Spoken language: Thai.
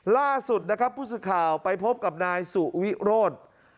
ล่าสุดนะครับผู้สื่อข่าวไปพบกับนายสุวิโรธ